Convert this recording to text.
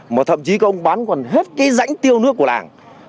mà thậm chí có ông bán còn hết cái rãnh tiêu nước của làng